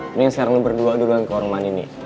peningin sekarang lo berdua udah gang ke orang mani nih